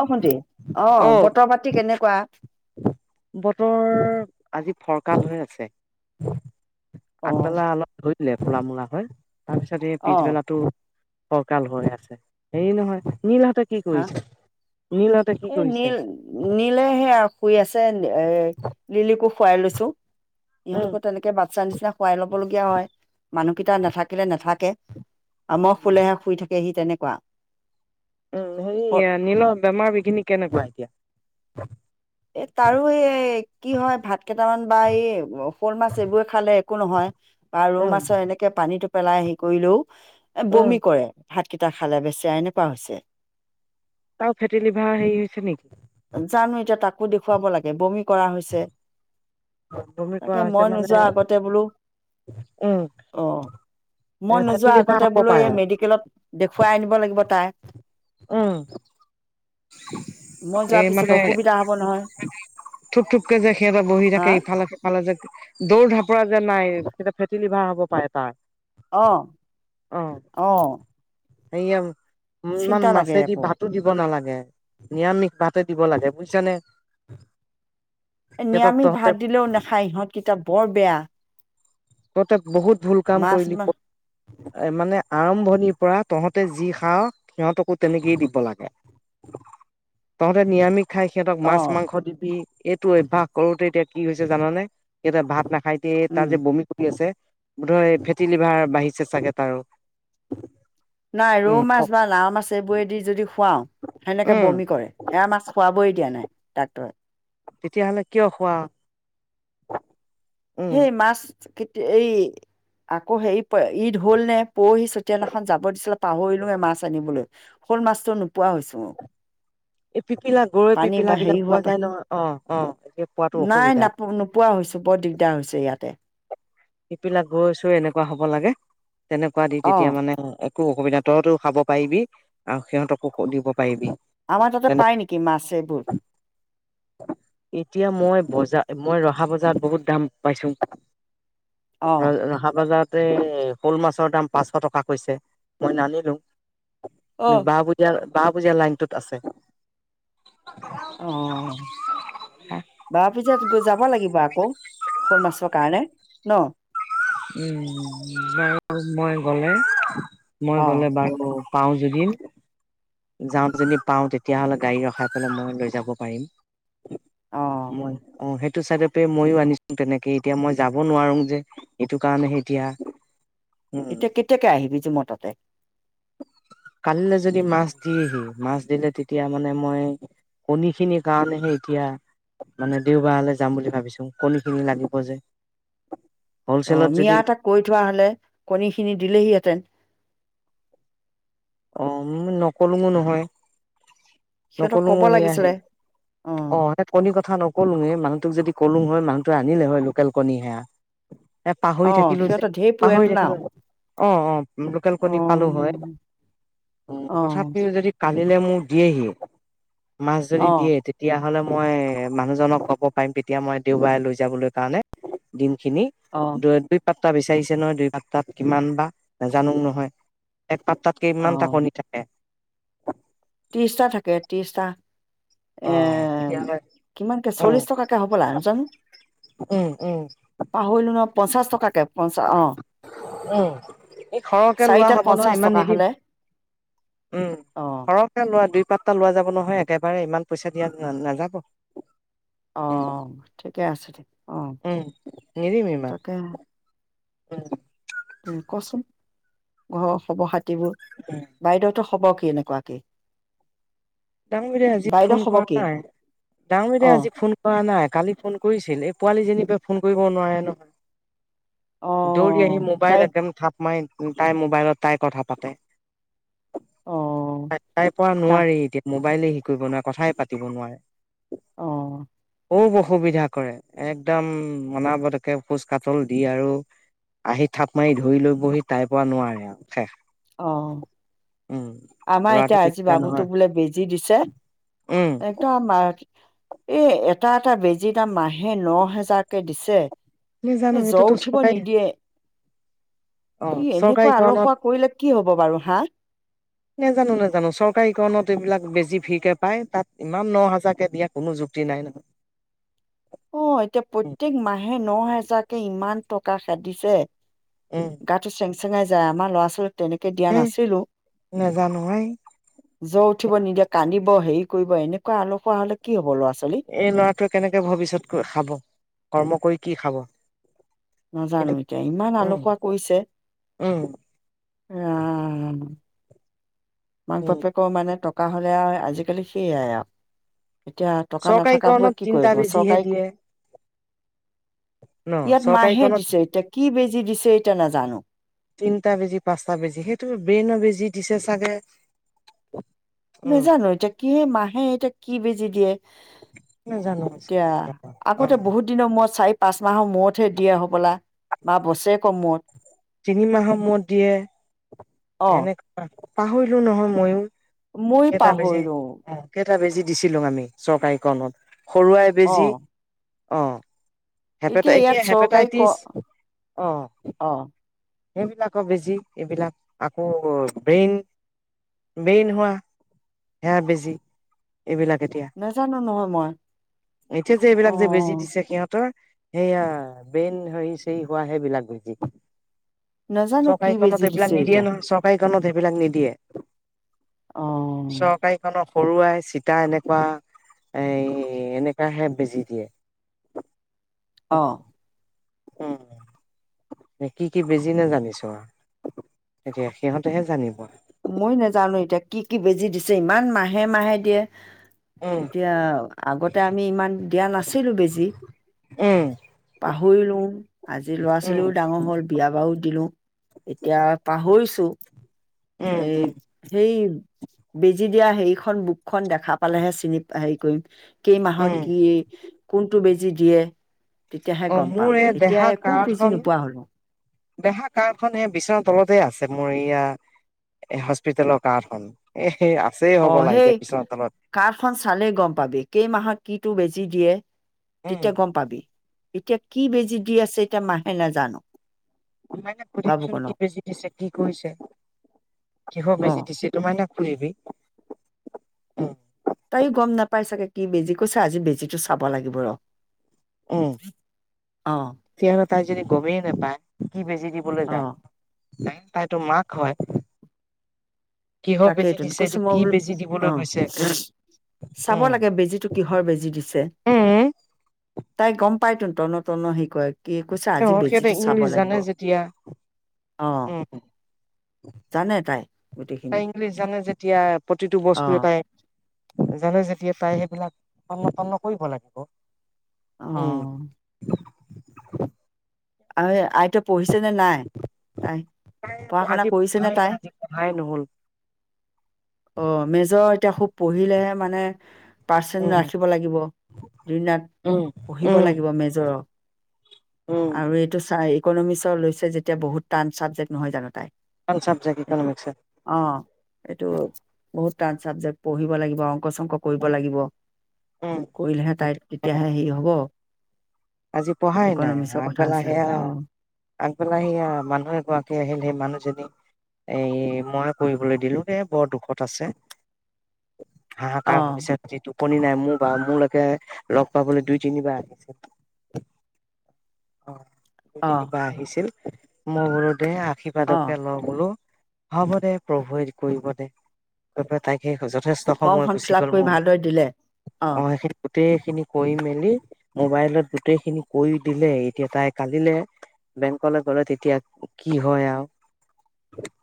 অ ভন্টি অ বতৰ পাতি কেনেক কোৱা বতৰ আজি ফৰকাল হৈ আছে অ আগবেলা অলপ ঘুৰি লেফেলা মূলা হয় তাৰপিছত এই অ পিছবেলটো ফৰকাল হৈ আছে সেয়ি নহয় নীলহঁতে কি হা কৰিছে নীলহঁতে কি এই কৰিছে নীল নীলে সেয়া শুই আছে এ লিলি কুফ খুৱাই লৈছো। উম ইহঁতকো তেনেকে বাচ্চা নিচিনা খোৱাই ল'ব লগিয়া হয়। মানুহকেইটা নাথাকিলে নাথাকে। আম সোলেহে শুই থাক পেহি তেনেকুৱা। উম, হেৰি নীলৰ বেমাৰ বিঘিনি কেনেকুৱা এতিয়া? [inaudible] এ, তাৰো এই কি হয়? ভাত কেইটামান বা এই শ'ল মাছ এইবোৰে খালে একো নহয়। বা ৰৌ উম মাছৰ এনেকে পানীটো পেলাই হে কৰিলেও। উম বমি কৰে। ভাতকেইটা খালে বেচেৰা এনেকুৱা হৈছে। তাৰো ফেটি লিভাৰ হেৰি হৈছে নেকি? ক'ত দেখুৱাব লাগে, বমি কৰা হৈছ। বমি তাকে কৰা হৈছে মই মানে নোযোৱা আগতে বোলোঁ, উম অহ, মই এ ফেটি নোযোৱা লিভাৰ আগতে হ'ব বোলোঁ পাৰে এই মেডিকেলত দেখুৱাই আনিব লাগিব তাই উম। মই যোৱাৰ পিছত অসুবিধা হ'ব নহয় থোপ থোপকৈ যে সিহঁতে বহি হা থাকে, ইফালে সিফালে যে দৌৰ ধাপৰা যে নাই ফেট লিভাৰ হ'ব পাৰে তাৰ। অ', অ। সেইয়া [unintelligible] উ, ইমান মাছেদি আকৌ ভাতো দিব নালাগে। নিৰামিষ বাতে দিব লাগে, বুজিছানে? সিহঁতক নিৰামিষ তহঁতে ভাত দিলেও নাখায় ইহঁত কেটা বৰ বেয়া। তহঁতে বহুত ভুল কাম মাছ কৰিলি। মা এ, মানে আৰম্ভণিৰ পৰা তহঁতে যি খাওঁ, সিহঁতকো তেনেকৈ দিব লাগে। তহঁতে নিৰামিষ খাই সিহঁতক মাছ, অঁ মাংস দি দি এইটো অভ্যাস কৰোঁতে এতিয়া কি হৈছে জানানে? সিহঁতে ভাত নাখায় কেটা যে বমি ধয় ফেটি লিভাৰ বাঢ়িছে চাগে তাৰো। নাই, ৰৌ উম মাছ বা লাও মাছ এইবোৰেদি যদি খোৱা সেনেকে উম বমি কৰে সেয়া মাছ খুৱাবই তিয়া নাই ডাক্টৰে তেতিয়াাহলে কিয় খোৱা [unintelligible] সেই মাছ কেতিয়া এই আকৌ হেৰি পৰে ঈদ হল নে পৰহি চতিয়াননাখন যাব দিছিলে পাহৰিলো এ মাছ আনিবলৈ হ'ল মাছতো নোপোৱা হৈছো এই পিপিলা গৰৈ পানী পিপিলা বা হেৰি বিলাক পোৱা হোৱাৰ পৰা যায় নহয়, অ অ, এতিয়া পোৱাতো নাই অসুবিধা। নাপ নোপোৱা হৈছো বৰ দিগদাৰ হৈছে ইয়াতে পিপিলা গৰৈ-চৰৈ এনেকুৱা হ'ব লাগে। তেনেকুৱা দি অ তেতিয়া মানে, অ এ কো অসুবিধা, তওতো খাব পাৰিবি আৰু সিহঁতকো দিব পাৰিবি। আমাৰ তাতে পাই নেকি মাছ এইবোৰ [unintelligible] এতিয়া মই বজা মই ৰহ হা বজাৰত বহুত দাম পাইছোঁং। অ [unintelligible] তাতে শ'ল মাছৰ দাম পাঁচশ টকা কৈছে। মই নানিলোঁং। অ নবা পুজা বা পুজা লাইনটোত আছে। অ, বা পুজাত গ যাব লাগিব আকৌ। শ'ল মাছৰ কাৰণে ন। [unintelligible] উম বাৰু মই গ'লে মই অ গ'লে বাৰু পাওঁ যদি, যাওঁ যদি পাওঁ, তেতিয়াহলে গাড়ী ৰখাই পেলাই মই লৈ যাব পাৰিম। অ মই অ সেই টো চাইডৰপে ময়ো আনিছোঁং তেনেকে, এতিয়া মই যাব নোৱাৰোঁং যে। এইটো কাৰণেহে এতিয়া উম এতিয়া কেতিয়াকে আহিবি যে মৰ তাতে? কালিলৈ যদি মাছ দি আহি, মাছ দিলে তেতিয়া মানে মই, কণীখিনিৰ কাৰণেহে এতিয়া মানে দেওবাৰলৈ যাম বুলি ভাবিছোঁং। কণীখিনি লাগিব যে। অহ, হলচেলত মিয়া যদি এটাক কৈ থোৱাহলে, কণী খিনি দিলেহিহেঁতেন অ ম নকলোঁংও নহয়। সিহঁতক নকলোঁং ক'ব লাগিছিলে অ তাক কণী কথা নকলোঁং, হৈ মানুহটোক যদি কলোঁং হৈ মানুহটো আনিলে হৈ লোকেল কণী সেয়া। এ পাহৰি অ', থাকিলোঁ যে, সিহঁতৰ ঢেৰ পাহৰি পুৰেতো না থাকিলোঁ। অ অ লোকেল কণী পালোঁ হয়। অ', উম, অ', তথাপিও যদি আনিলে মোক দিয়ে হি। মাছ যদি অ', দিয়ে, তেতিয়া নহ'লে মই মানুহজনক ক'ব পাৰিম তেতিয়া, মই দেওবাৰে লৈ যাবলৈ কাৰণে। দিম খিনি অ', দুই [unintelligible] তা বিচাৰিছে নহয় দুই পাতাত কিমান বা, নাজানোঁং নহয়। এক পাতাত কিমানটা অ', কনি থাকে [inaudible] ত্ৰিশটা থাকে ত্ৰিশটা অ এ তেতিয়াহ'লে কিমানকে উম চল্লিশ টকাকে হবলা জানো উম উম পাহৰিলো ন পঞ্চাছ টকাকে পঞ্চাশ অ', উম এই সৰহকে লোৱা চাৰিটাত হব ন পঞ্চাশ ইমান টকা হ'লে নিদিবি উম অ', সৰহ লোৱা দুই পাতটা লোৱা যাব নহয় একেবাৰে ইমান পইচা দিয়া না নাযাব অ উম ঠিকে আছে ঠিক অ উম নিদিম ইমান তাকে উম উম কচোন ঘৰৰ খবৰ খাতি কাটিবোৰ বাইদেউহঁতৰ হ'ব কি এনেকুৱাকে ডাঙৰ বাইদই আজি ফোন কৰা নাই ডাঙৰ বাইদই অ', আজি ফোন কৰা নাই কালি ফোন কৰিছিল এই পোৱালি যেনীবা ফোন কৰিব নোৱাৰে নহয় দৌৰি আহি অ', তাই মোবাইল একদম থাপ মাৰি তাই মোবাইলত তাই কথা পাতে অ', তাই তাই পৰা তা নোৱাৰি এতিয়া মোবাইলে শেৰি কৰিব নোৱাৰে কথাই পাতিব নোৱাৰে অ খুব অসুবিধা কৰে একদম অনা বতকে খোজ কাতল দি আৰু আহি থাপ মাৰি ধৰি লৈ বহি তাইৰ পৰা নোৱাৰে আৰু শেষ অ উম। আমাৰ ল'ৰাটো এতিয়া আজি দিগদাৰ নহয় বাবুটোক বোলে বেজি দি দিছে, উম একদম আমাৰ এ এটা এটা বেজি দাম মাহে ন হেজাৰ কে দিছে। এ নেজানো জ্বৰ এইটোতো উঠিব চৰকাৰী নিদিয়ে। অ' কি এনেকুৱা চৰকাৰী আলসুৱা কাৰণত। কৰিলে কি হব বাৰু হা নাজানো নাজানো চৰকাৰীকৰণত এইবিলাক বেছি যি ভিৰকে পায়, তাত ইমান ন হাজাৰকে দিয়া কোনো যুক্তি নাই নহয়। অ এতিয়া উম প্ৰত্যেক মাহে ন হেজাৰ তাকে ইমান টকা খেদিছে। গাটো চেং চেঙাই যায় আমাৰ লৰা ছোৱালী হে নাজানো হাই। জ্বৰ উঠিব নিদিয়ে, কান্দিব হেৰি কৰিব এনেকুৱা আলসুৱা হলে কি হ'ব ল'ৰাটো। এই ল'ৰাটোৱে কেনেকে ভৱিষ্যত খাব, কৰ্ম কৰি কি খাব। কিন্তু নাজানো এতিয়া ইমান উম আলসুৱা কৰিছে। উম ৰাম। মাক উম বাপেক মানে টক থকা হ'লে আও আজিকালি সেইয়াই আও। এতিয়া টকা নাথকাবোৰে চৰকাৰীকৰণত কি তিনটা কৰিব, বেজিহে চৰকাৰী [unintelligible] দিয়ে ন ইয়াত মাহে চৰকাৰীকৰণত দিছে এতিয়া কি বেজী দিছে এতিয়া নাজানো। তিনটা বেজি, পাঁচটা বেজি, সেইটো ব্ৰেইন বেজি দিছে চাগে। উম নাজানো এতিয়া কি মাহে এতিয়া কি বেজি [unintelligible] নাজানো এতিয়া, অ আগতে বহুত দিনৰ মই চাৰি পাঁচ মাহৰ মূৰতহে দিয়া হ'বলা, বা বছেৰে তিনি মাহৰ মূৰত দিয়ে, অ এনেকুৱা পাহৰিলো নহয় ময়ো। মই পাহৰিলো। টা বেজি দিছিলো আমি চৰকাৰীকৰণত। সৰুআই অ বেজি। অঁ। এতিয়া ইয়াত হেপাটাই-এতিয়া চৰকাৰী ক হেপেটাইটিছ, অ'। অ। সেইবিলাকৰ বেজি, এইবিলাক আকৌ ব্ৰেইন, ব্ৰেইন হোৱা, সেয়া বেজি। এইবিলাক এতিয়া, নাজানো নহয় মই এতিয়া যে অ এইবিলাক যে বেজি দিছে সিহঁতৰ। সেইয়া, ব্ৰেইন হেৰী-চেৰী হোৱা সেইবিলাক বে [inaudible] [unintelligible] নাজানো কি চকাইকৰনত বেজি এইবিলাক দিছে নিদিয়ে এতিয়া নহয়, চকাই [inaudible] [unintelligible] এইবিলাক নিদিয়ে। অ চৰকাৰীকৰন সৰুৱাই চিতা এনেকুৱা, এই, এনেকুৱাহে বেজি দিয়ে। অ [unintelligible] উম। কি কি বেজি নেজানিছো আও, এতিয়া সিহঁতেহে জানিব। মই নেজানো এতিয়া কি কি বেজি দিছে ইমান মাহে-মাহে দিয়ে। উম এতিয়া, আগতে আমি ইমান দিয়া নাছিলো বেজি। উম পাহৰিলো, আজি লৰা উম ছোৱালীও ডাঙৰ হল বিয়া বাৰুও দিলো। এতিয়া পাহৰিছো। উম এই, উম সেই বেজি দিয়া হেৰিখন বুকখন দেখা পালেহে চিনি, হেৰি কৰিম। কেই মাহত উম কি, কোনটো বেজি দিয়ে। তেতিয়াহে অ গম পাম মোৰ এই এতিয়া দেহা একো বুজি কাৰ্ডখন নোপোৱা হলোঁ। দেহা কাৰ্ডখন এ বিচনা তলতে আছে মোৰ ইয়া হস্পিতালৰ কাৰ্ডখন এহ। অ সেই কাৰ্ডখন চালে গম পাবি কেইমাহত কিটো বেজী। দি দিয়ে। উম তেতিয়া গম পাবি। এতিয়া কি বেজী দি আছে এতিয়া মাহে নাজানো। সুধিবিছোন কি বাবুকণক বেজি দিছে, কি কৰিছে, কিহৰ অঁ বেজি দিছে তোমাৰ ন কৰিবি উম। তাইও গম নাপাই চাগে কি বেজি কৈছে আজি বেজিটো চাব লাগিব ৰ। উম অঁ কিয়নো তাইযদি গমেই নাপায় কি বেজি দিবলৈ যায়। অঁ তাইতো মাক হয়। কিহৰ বেজি তাকেইটো দিছে কৈছো এইটো মই কি বোলো বেজি অ, দিবলৈ গৈছে চাব উম লাগে বেজীটো কিহৰ বেজি দিছে। উম তাই গম পাই তোন তন্ন তন্ন সি কয়। কি কৈছে আজি অ সিহঁতে বেজিটো চাব ইংলিছ লাগিব। জানে যেতিয়া অ, উম জানে তাই। তাই গোটেইখিনি। ইংলিছ জানে যেতিয়া প্ৰতিটো অ বস্তু এটাই। জানে যেতিয়া তাই সেইবিলাক তন্ন তন্ন কৰিব লাগিব। উম অ [unintelligible] আই আইতা পঢ়িছে নে নাই, নাই, তাই পঢ়া শুনা আজি কৰিছে নে পঢ়াই নাই তাই? আজি পঢ়াই নহ'ল অ মেজৰ এতিয়া খুব পঢ়িলেয়ে মানে পাৰ্চেণ্ট উম ৰাখিব লাগিব দিনৰাত উম, পঢ়িব উম, লাগিব মেজৰৰ। উম, আৰু এইটো চাই ইকনমিক্সৰ লৈছে যেতিয়া বহুত টান চাব্জেক্ট নহয় জানোঁ তাইৰ। ভাল চাব্জেক্ট ইকনমিক্সত। এইটো বহুত টান চাব্জেক্ট পঢ়িব লাগিব আৰু। অংক চংক কৰিব উম, লাগিব। উম, কৰিলেহে তাই সেইটো তেতিয়াহে হেৰি হব। আজি পঢ়াই নাই আগ ইকনমিক্সৰ কথা আগবেলা আছে, সেয়া অ', আগবেলা সেয়া মানুহ এগৰাকী আহিল সেই মানুহ এই মই পঢ়িবলৈ দিলোঁ এ, বৰ দুখত আছে। হাহাকাৰ অ', ভৱিষ্যত যিটো টোপনি নাই মোৰ বা মোৰলৈকে লগ পাবলৈ দুই, তিনিবাৰ আহিছে। [inaudible] অ দুই অ', তিনিবাৰ আহিছিল মোৰ ঘৰত অ', আশীবাদকে ল‌ও বোলো হব দে প্ৰভুৱে কৰিব দে, প্ৰভুৱে তাইকহে যথেষ্ট সময় ফৰ্মখন গুচি ফিল আপ গ'ল কৰি মোৰ, ভালদৰে দিলে, অ সেই গোটেই খিনি কৰি মেলি মোবাইলত গোটেই খিনি কৰি দিলে তেতিয়া তাই কাইলৈ বেংকলৈ গ'লে তেতিয়া কি হয় আৰু?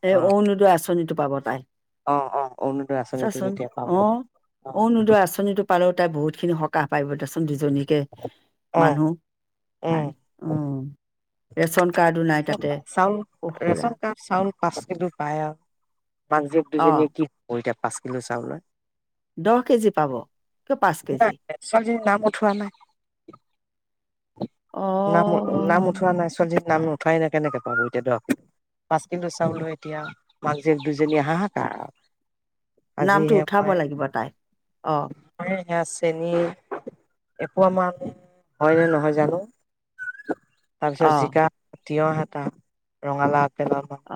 এ অৰুণোদয় আঁচনিটো। পাব তাই আহ অ অৰুণোদয় আঁচনিটো চাচোন, যেতিয়া পাব অ', অ অৰুণোদয় আঁচনিটো পালেও তাই বহুত খিনি সকাহ পৰিব ত দুজনীকে অ মানুহ। উম আৰু, উম। ৰেচন কাৰ্ডো নাই চব তাতে চাউল উহ ৰেচন ৰাম কাৰ্ড চাউল পাঁচ কিলো পায় আৰু। মাক জিয়েক এক অ', দুজনীয়ে কি এতি পাঁচ কিলো চাউল। দহ কেজি পাব, কিয় পাঁচ কেজি? মুঠ হোৱা নাই। অ। নাম নাম উঠোৱা নাই সঞ্জীৱ নাম নুঠাই নে কেনেকে পাব এতিয়া দহ। পাঁচ কিলো চাউলো এতিয়া মাক জীয়েক দুজনীয়ে হাহাকাৰ। আজি নামটো হে উঠাব লাগিব তাই, অ। চেনি এপোৱা মান হয়নে নহয় জানো তাৰপিছত অঁ জিকা তিয়হ এটা, ৰঙালাও কে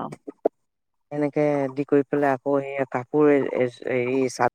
অঁ এনেকে দি কৰি পেলাই আকৌ সেয়া কাপোৰ এই চ